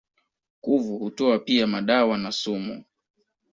Kuvu hutoa pia madawa na sumu.